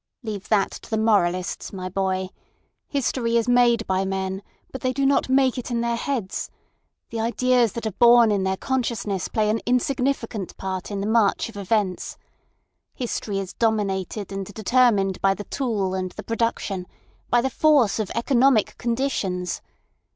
Leave that to the moralists, my boy. History is made by men, but they do not make it in their heads. The ideas that are born in their consciousness play an insignificant part in the march of events. History is dominated and determined by the tool and the production—by the force of economic conditions.